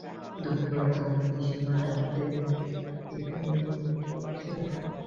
দুপুরবেলা তাহার পিসিমা ডাকিলে পিছনে পিছনে গুলকী আসিল!